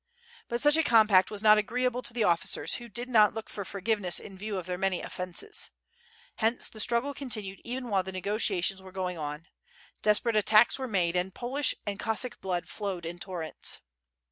But such a compact was not agreeable to the officers, who did not look for forgiveness in view of their many offences. Hence the struggle continued even while the negotiations were going on; desperate attacks were made, and Polish and Cos sack blood flowed in torrents.